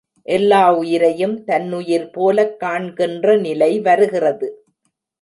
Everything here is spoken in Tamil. எல்லா உயிரையும் தன்னுயிர்போலக் காண்கின்ற நிலை வருகிறது.